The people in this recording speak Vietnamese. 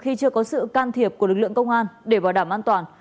khi chưa có sự can thiệp của lực lượng công an để bảo đảm an toàn